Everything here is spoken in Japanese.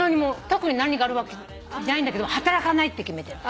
特に何があるわけじゃないけど働かないって決めてる。